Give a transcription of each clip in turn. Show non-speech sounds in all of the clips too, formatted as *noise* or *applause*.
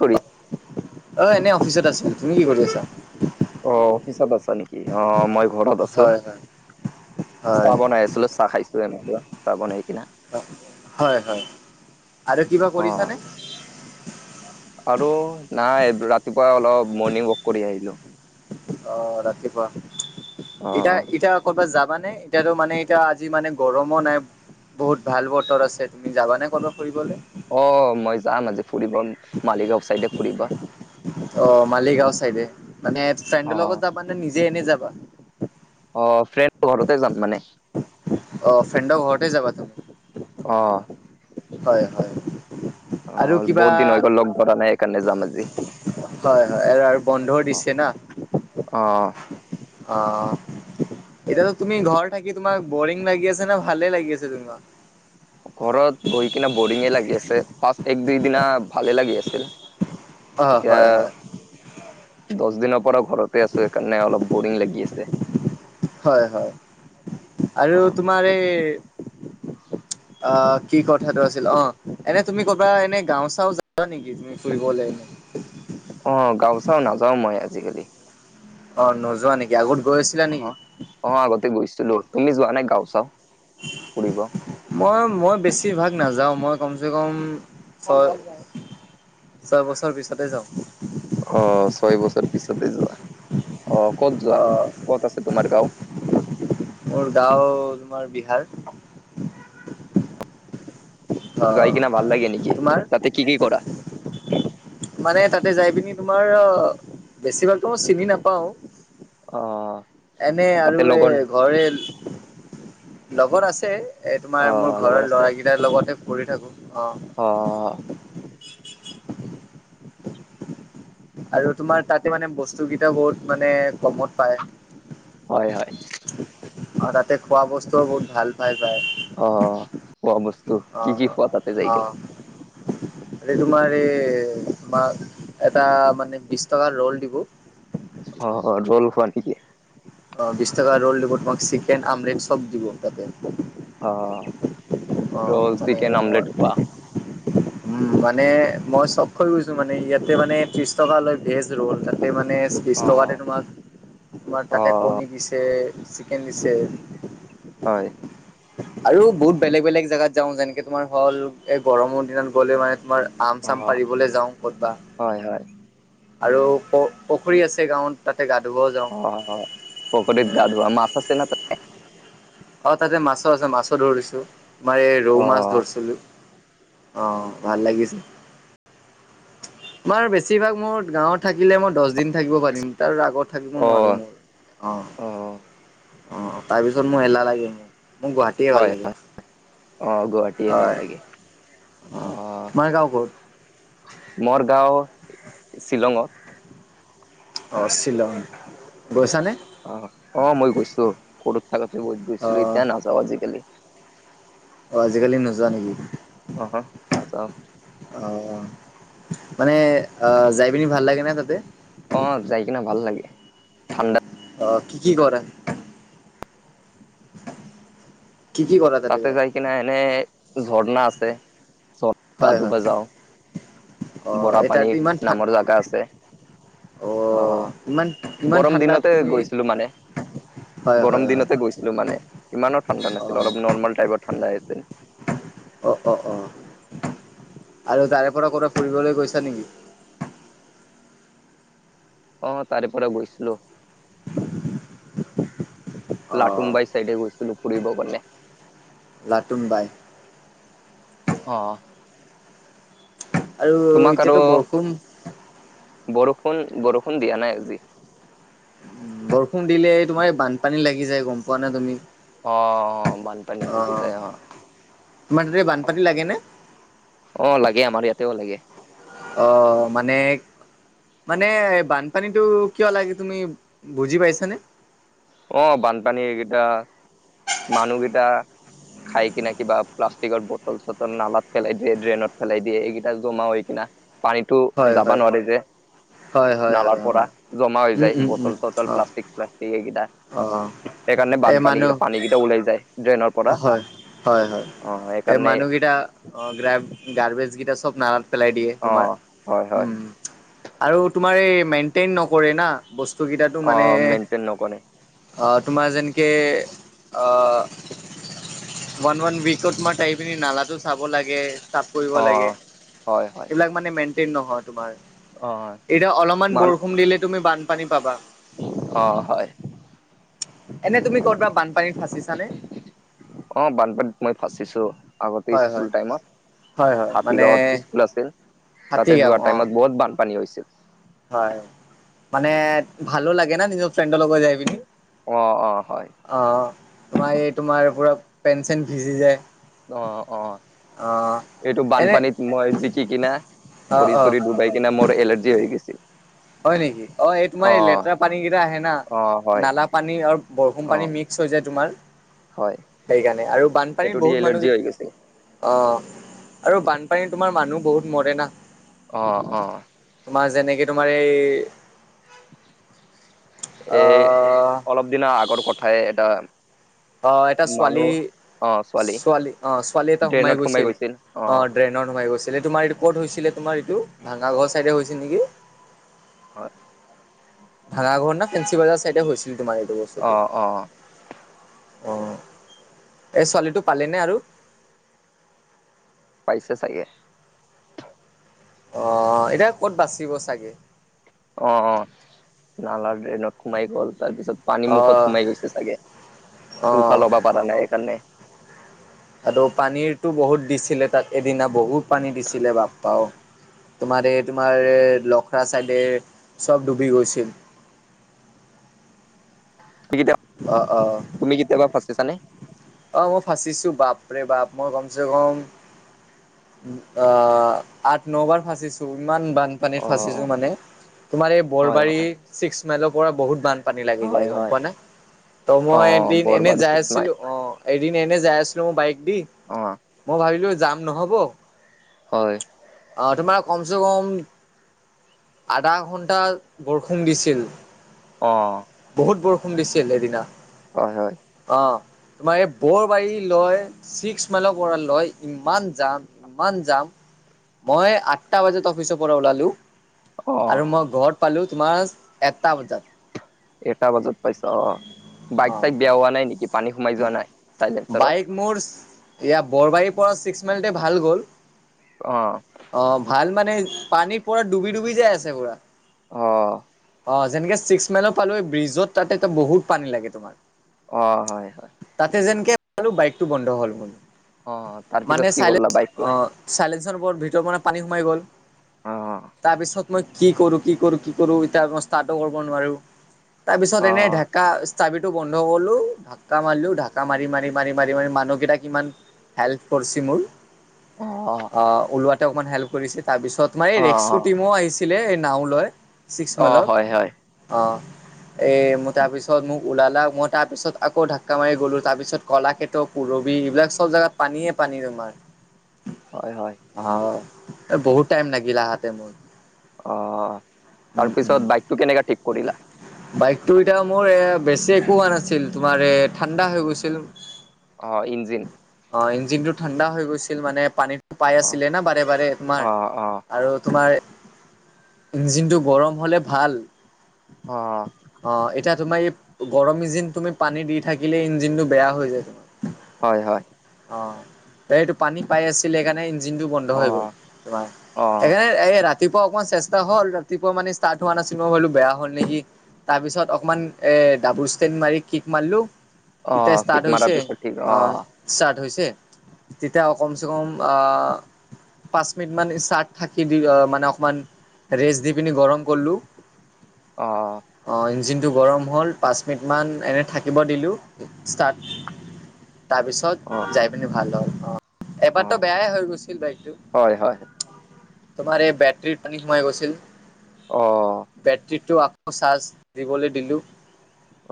কৰি অ', এনে অফিচত আছোঁ তুমি কি কৰি আছা। অ' অফিচত আছা নিকি অ মই। ঘৰত আছো, হয় হয় চাহ হয় বনাই আছিলো চাহ খাইছো এনেকে চাহ বনাই কিনে। হয় হয় আৰু কিবা অ কৰিছানে। আৰু নাই ৰাতিপুৱা অলপ মৰ্ণিং ৱক কৰি আহিলো। অ', ৰাতিপুৱা, অ ইতা- ইতা কৰ'বাত যাবা নে। এতিয়াতো মানে ইতা আজি মানে গৰমো নাই বহুত ভাল বতৰ আছে তুমি যাবানে ক'ৰবাত ফুৰিবলে। অ', মই যাম আজি ফুৰিব, মালিগাঁও ছাইডে ফুৰিব। অ', মালিগাঁও চাইডে, মানে অ ফ্ৰেণ্ডৰ লগত যাবা নে নিজে এনে যাবা। অ', ফ্ৰেণ্ড ঘৰতে যাম মানে। অ' ফেণ্ড ঘৰতে যাবা তুমি অঁ। হয় হয়। আৰু অ' কিবা বহুত দিন হৈ গল লগ কৰা নাই সেইকাৰণে যাম আজি। হয় হয় এৰ আৰ বন্ধও দিছে না। অঁ। অ' এতিয়াতো তুমি ঘৰ থাকি তোমাক বৰিং লাগি আছে নে, ভালে লাগি আছে তোমাৰ ঘৰত বহি কিনে বৰিঙে লাগি আছে ফাৰ্ষ্ট এক দুই দিনা ভালে লাগি আছিল। অ এতিয়া হয় হয়। দছ দিনৰ পৰা ঘৰতে আছো সেইকাৰণে অলপ বৰিং লাগি আছে। হয় হয় আৰু অ তোমাৰ এই। অ' কি কথাটো আছিল অ এনে তুমি ক'বা এনে গাও চাও যাবা নেকি তুমি। ফুৰিবলে এনে অ' গাও চাওঁ নাযাওঁ মই আজিকালি। অ' নোযোৱা নিকি আগত গৈছ অ অ আগতে গৈছিলো। তুমি যোৱা নাই গাও চাও ফুৰিব? মই মই বেছিভাগ নাযাওঁ মই কমচে কম ছয় ছয় বছৰ পিছতে যাওঁ। অ ছয় বছৰ পিছতে যোৱা, অ ক'ত অ যোৱা? ক'ত আছে তোমাৰ গাওঁ? মোৰ গাঁও তোমাৰ বিহাৰ। অ যাই কিনা ভাল লাগে নেকি? তোমাৰ? তাতে কি কি কৰা? মানে তাতে যাই পিনি তোমাৰ আ বেছি ভাগ ত মই চিনি নাপাও। অ। এনে আৰু তাতে এ লগৰ ঘৰে লগৰ আছে। এ অ তোমাৰ মোৰ লগৰ ঘৰৰ আছে লৰা কেইটাৰ লগতে খুৰি থাকো অ। অ। আৰু তোমাৰ তাতে মানে বস্তু কেইটা বহুত মানে কমত পায়। হয় হয়। অ তাতে খোৱা বস্তুও বহুত ভাল পাই যায়। অ খোৱা বস্তু কি কি খোৱা তাতে যাই কেনে? আৰু তোমাৰ এই তোমাক এটা মানে বিশ টকাৰ ৰ'ল দিব। অ অ ৰল খোৱা নেকি? অ বিশ টকা ৰোল দিব তোমাক চিকেন আমলেট সব দিব তাতে। অ অ ৰ'ল মানে চিকেন আমলেট খোৱা। মই *inaudible* উম, মানে মই চব খৈ গৈছো মানে ইয়াতে মানে ত্ৰিশ টকা লয় ভেজ ৰোল তাত। তাতে মানে অ তোমাক, তোমাৰ অ তাতে কণী দিছে চিকেন দিছে। হয়। আৰু বহুত বেলেগ বেলেগ জেগাত যাওঁ যেনেকে তোমাৰ হ'ল এই গৰমৰ দিনত গ'লে মানে তোমাৰ আম অ চাম পাৰিবলে যাওঁ ক'তবা হয় হয়। আৰু প পুখুৰী আছে গাঁৱত। তাতে গা ধুবজ অ পখৰীত গা ধৱা, মাছ আছে না তাত? অ তাতে মাছো আছে মাছো ধৰিছোঁ। তমাৰ এই ৰৌ মাছ অ', ধৰছিলো। অ ভাল লাগিছে। তোমাৰ বেছিভাগ মোৰ গাঁৱত থাকিলে মই দছ দিন থাকিব পাৰিম তাৰ আগত থাকিব অ', নোৱাৰো মোৰ। অ অ তাৰপিছত মোৰ হেলাহ লাগে মো। মো গুৱাহাটীয়ে ভাল হয়, লাগে। অ গুৱাহাটীয়ে ভাল হয় লাগে, অ। তোমাৰ গাঁও ক'ত? মৰ গাঁও শ্বিলঙত। অ শ্বিলং, গৈছানে? অ অ মই গৈছো সৰু থাকোতে বহুত অ গৈছিলো এতিয়া নাযাও আজিকালি। অ আজিকালি নোযোৱা নেকি? অহা নাযাওঁ। অ মানে আহ যাই পিনি ভাল লাগে না তাতে? অ যাই কিনে ভাল লাগে, ঠাণ্ডাত। অ কি কি কৰা? কি কি কৰা তাতে যায়? কিনা এনে ঝৰ্ণা আছে, ঝৰ্ণা গা হয় ধুব হয়, যাওঁ। অ', এই বৰাপানী তাতো ইমান ঠা নামৰ জেগা আছে। অ', অহ ইমান ইমান গৰম ঠাণ্ডাত দিনতে তুমি গৈছিলো মানে। হয় গৰম হয় হয়, দিনতে গৈছিলো মানে ইমানো ঠাণ্ডা নাছিল অ', অলপ নৰ্মেল টাইপৰ ঠাণ্ডা আছিল। অ অ অ আৰু তাৰে পৰা ক'বাত ফুৰিবলৈ গৈছা নেকি? অ তাৰে পৰা গৈছিলো *inaudible* অ', লাটুমবাইৰ চাইডে গৈছিলো ফুৰিব গণে লাটুম বাই অ আৰু তোমাক আৰু এতিয়াতো বৰষুণ বৰষুণ বৰষুণ দিয়া নাই আজি বৰষুণ দিলে তোমাৰ এই বানপানী লাগি যায় গম পোৱা নে তুমি অ অ বান বানপানী অ লাগি যায় তোমাৰ তাতে বানপানী লাগে নে অ লাগে আমাৰ ইয়াতেও লাগে অ মানে এক মানে বানপানীটো কিয় লাগে তুমি বুজি পাইছানে অ বানপানী এইকেইটা মানুহগিটা খাই কিনে কিবা প্লাষ্টিকৰ বটল চটল নালাত পেলাই দিয়ে ড্ৰেইনত পেলাই দিয়ে এইকেইটা জমা হৈ কিনা পানীটো হয় যাব হয় নোৱাৰে যে হয় হয় হয় নালাৰ অ পৰা জমা হৈ উম যায় উম উম বটল চটল অ প্লাষ্টিক শ্লাষ্টিক সেইকেইটা অ সেইকাৰণে এই বানপানী মানুহ কেইটা পানীকেইটা ওলাই যায় ড্ৰেইনৰ পৰা হয় হয় হয় অ', এই সেইকাৰণে মানুহকেইটা অ গ্ৰ গাৰ্বেজ কেইটা চব নালাত পেলাই দিয়ে তোমাৰ অ', হয় উম হয় উম আৰু তোমাৰ এই মেইনটেইন নকৰে না বস্তুকেইটাটো মানে অ', মেইনটেইন নকৰে। অ তোমাৰ যেনেকে ওৱান ওৱান উৱকত মই টাইপিনি নালাটো চাব লাগে চাফ কৰিব লাগে অ', হয়, হয়, এইবিলাক মানে মেইন্টেইন নহয় তোমাৰ অ', এতিয়া অলপমান মান বৰষুণ দিলে তুমি বানপানী পাবা অ হয় এনে তুমি ক'ৰবাত বানপানীত, ফাঁচিছানে- অ বানপানীত, মই ফাঁচিছো আগতে হয় স্কুল হয় টাইমত। হয় হয় হাতী, মানে গাঁও স্কুল আছিল। তাতে হাতীগাঁও যোৱা অ টাইমত বহুত বানপানী হৈছিল। হয় মানে ভালো লাগে না নিজৰ ফ্ৰেণ্ডৰ লগত যাই পিনি অ অ হয় অ তোমাৰ এই তোমাৰ পুৰা পেঞ্চন ভিজি যায় অ অ অ এইটো এনে বানপানীত মই জিকি কিনা অ ভৰি অ চৰি ডুবাই কিনা মোৰ এলাৰ্জি হৈ গিছি হয় নেকি অ এই তোমাৰ এই লেতেৰা পানী কেইটা আহে না অ', হয়, নালা পানী আৰু বৰষুণ পানী অ', মিক চৈ যে তোমাৰ হয়, সেইকাৰণে আৰু বানপানীত এইটো দি বহুত এলাৰ্জি মানুহ হৈ গৈছিল। অ আৰু বানপানী, তোমাৰ মানুহ বহুত মৰে না। অ অ, তোমাৰ যেনেকে তোমাৰ এই এই আহ অলপ দিনা আগৰ কথাই এটা অ এটা ছোৱালী মানুহ ছোৱালী অ ছোৱালী এটা সোমাই গৈছিল। অ ড্ৰেইনত, সোমাই গৈছিল এই তোমাৰ এইটো ক'ত হৈছিলে তোমাৰ এইটো ভাঙাঘৰ ছাইডে হৈছিল নেকি। হয়। ভাঙা ঘৰ ন ফেসি বাজাৰ চাইডে হৈছিলি তোমাৰ এইটো অ বস্তুটো- অ অ এই ছোৱালীটো পালিনে‌ আৰু পাইছে চাগে। অ এতিয়া ক'ত বাচিব চাগে। অ অ নালা ড্ৰেইনত সোমাই গ'ল তাৰপিছত পানী অ মুখত সোমাই গৈছে চাগে, অ উশাহ লবা পাৰা নাই সেইকাৰণে আৰু পানীৰতো বহুত দিছিলে তাত এদিনা বহুত পানী দিছিলে বাপ্পাও তোমাৰ এই তোমাৰ লখৰা চাইডে চ'ব ডুবি গৈছিল। সেইকিতা অঁ অঁ। তুমি কেতিয়াবা ফঁচিছা নে? অ মই ফাঁচিছো বাপ ৰে বাপ, মই কমচে কম অ আঠ ন' বাৰ ফাঁচিছো, ইমান বানপানীত অ ফাঁচিছো মানে। তোমাৰ এই হয় বৰবাৰী, হয় ছিক্স মাইলৰ পৰা বহুত বান, পানী লাগি হয় যায়। গম হয় পোৱা নে? ত' অ মই এদিন এনে বৰবাৰী যাই ছিক্স আছিলো মাইল অ এদিন এনে যাই আছিলো মই বাইক দি, অ মই ভাবিলো যাম নহ'ব, হয়। অঁ তোমাৰ কমচে কম আধা ঘণ্টা বৰষুণ, দিছিল। অঁ। বহুত বৰষুণ দিছিল সেইদিনা। হয় হয়। অ তোমাৰ এই বৰবাৰী লয়, ছিক্স মাইলৰ পৰা লয় ইমান যাম। ইমান যাম, মই আঠটা বজাত অফিচৰ পৰা ওলালো, অ আৰু মই ঘৰত পালোঁ তোমাৰ এটা বজাত। এটা বজাত পাইছ অ। বাইক অ চাইক বিয়া হোৱা নাই নেকি, পানী সোমাই যোৱা নাই চাইলেনচাৰত? বাইক মোৰ ইয়াত বৰবাৰীৰ পৰা ছিক্স মাইলতে ভাল গ'ল। অঁ। অ ভাল মানে পানীৰ পৰা ডুবি- ডুবি যাই আছে পুৰা। অঁ। অ যেনেকে ছিক্স মাইলৰ পালো, ব্ৰিজত তাত এটা বহুত পানী লাগে তোমাৰ। অ হয় হয়। তাতে যেনকে আৰু বাইকটো বন্ধ হ'ল মোৰ। অ' তাৰ পিছত কি কৰলা বাইকটো? চাইলেনচাৰ ওপৰত ভিতৰ পৰা পানী সোমাই গ'ল, অ তাৰপিছত মই কি কৰো, কি কৰো, কি কৰো এতিয়া মই ষ্টাৰ্টো কৰিব নোৱাৰো, তাৰ পিছত অ এনেঢাক কা চাবিটো বন্ধ কৰি'লো, ঢাককা মাৰিলো, ঢাকা মাৰি, মাৰি, মাৰি, মাৰি, মাৰি মানুহকেইটাক ইমান হেল্প কৰিছে মোৰ। অঁ। অ ওলোৱাতে অকমান হেল্প কৰিছে। তাৰপিছত মানে এই ৰেক্ক টিমো আহিছিলে। এই নাও লৈ। ছিক্স অ অ মালত, হয় হয় অঁ' এই ম তাৰপিছত মোক ওলালা মই তাৰপিছত আকৌ ধাক্কা মাৰি গ'লো। তাৰপিছত কলাকেত, পুৰবি এইবিলাক চব জেগাত পানীয়ে পানী তোমাৰ। *inaudible* হয় হয়। অ' বহুত টাইম লাগিল আহাতে মোৰ। অ' উম উম তাৰপিছত বাইক টো কেনেকা ঠিক কৰিলা? বাইকটো এতিয়া মোৰ এ বেছি একো হোৱা নাছিল। তোমাৰ এ ঠাণ্ডা হৈ গৈছিল। অ ইঞ্জিন? অ ইঞ্জিন টো ঠাণ্ডা হৈ গৈছিল, মানে পানীটো অ পায় আছিলে না বাৰে বাৰে তোমাৰ। অ অ আৰু তোমাৰ ইঞ্জিনটো গৰম হ'লে ভাল। অ' এতিয়া তোমাৰ এই গৰম ইজিন তুমি পানী দি থাকিলে ইঞ্জিন টো বেয়া হৈ যায়। হয়, হয়। অ'এইটো পানী পাই আছিলে সেইকাৰণে ইঞ্জিনটো বন্ধ অ হৈ গ'ল, তোমাৰ। অ সেইকাৰণে এই ৰা ৰাতিপুৱা অকণ চেষ্টা হ'ল, ৰাতিপুৱা মানে ষ্টাৰ্ট হোৱা নাছিল মই ভাবিলো বেয়া হ'ল নেকি। তাৰ পিছত অকমান এ ডাবুল ষ্টেন মাৰি কিক মাৰিলো। অ তেতিয়া কিক ষ্টাৰ্ট মাৰাৰ হৈছে, পিছত ঠিক অ অঁ। ষ্টাৰ্ট হৈছে, তেতিয়া কমচেকম আহ'। পাঁচ মিনিট মান চাৰ্ট থাকি দি মানে অকমান- ৰেচ দি পিনি গৰম কৰলো। অঁ অঁ ইঞ্জিনটো গৰম হ'ল, পাঁচ মিনিটমান এনে থাকিব দিলোঁ ষ্টাৰ্ট তাৰপিছত অ যাই পিনি ভাল হ'ল, অঁ। অ এবাৰতো বেয়াই হৈ গৈছিল বাইকটো। হয় হয় তোমাৰ এই বেটৰীত পানী সোমাই গৈছিল, অ বেটৰী- টো আকৌ চাৰ্জ দিবলৈ দিলো।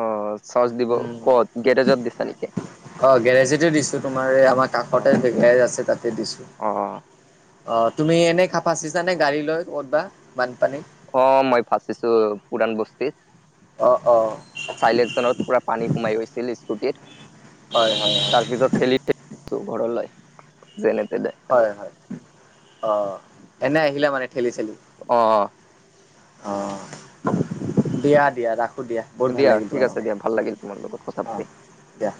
অ চচ দিব ক'ত গেৰেজত দিছা নেকি? অ গেৰেজতে দিছো, তোমাৰ এই আমাৰ অ কাষতে গেৰেজ আছে তাতে দিছো। অ অ' তুমি এনেই খা ফাচিছা নে গাড়ী লৈ ক'তবা বানপানী। অ মই ফাচিছো পুৰাণ বস্তিত। অ' অ' চাইলেনচাৰত পুৰা পানী সোমাই গৈছিল স্কুটিত, হয় হয় তাৰ পিছত ঠেলি ঘৰলৈ যেনে তেনে। আৰু হয় হয়, অ' এনে আহিলে মানে ঠেলি ঠেলি। অ' অ' অঁ দিয়া দিয়া ৰাখোঁ দিয়া। বহুত ভাল দিয়া লাগিল ঠিক তোমাৰ আছে লগত দিয়া, ভাল লাগিল তোমাৰ লগত কথা অ', পাতি। দিয়া,